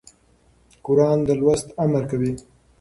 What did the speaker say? قرآن د لوست امر کوي.